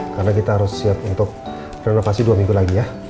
karena kita harus siap untuk renovasi dua minggu lagi ya